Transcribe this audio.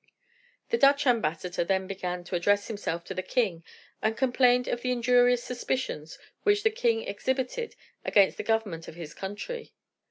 The Dutch ambassador then began to address himself to the king, and complained of the injurious suspicions which the king exhibited against the government of his country.